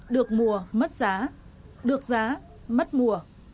được mùa mất giá được giá mất mùa